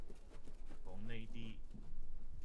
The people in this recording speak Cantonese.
講呢啲